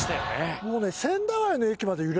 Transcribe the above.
もうね。